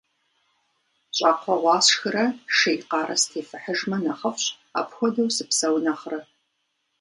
Щӏакхъуэ гъуа сшхырэ шей къарэ сытефыхьыжмэ нэхъыфӏщ, апхуэдэу сыпсэу нэхърэ.